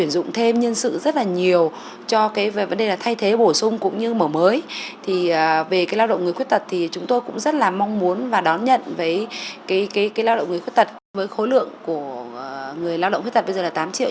với khối lượng của người lao động khuyết tật bây giờ là tám triệu